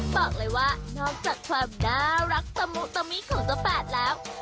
บอกเลยว่านอกจากความน่ารักตะมุตะมิของเจ้าแฝดแล้ว